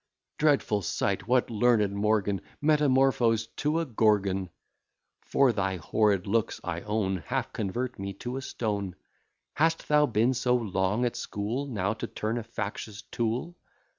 Dreadful sight! what, learned Morgan Metamorphosed to a Gorgon! For thy horrid looks, I own, Half convert me to a stone. Hast thou been so long at school, Now to turn a factious tool?